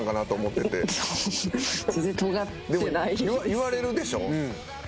言われるでしょ？